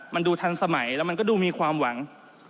มันดูทันสมัยแล้วมันก็ดูมีความหวัง